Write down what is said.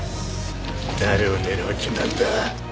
誰を狙う気なんだ？